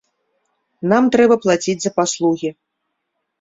Нам трэба плаціць за паслугі.